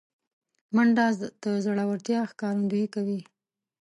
منډه د زړورتیا ښکارندویي کوي